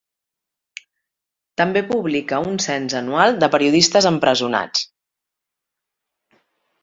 També publica un cens anual de periodistes empresonats.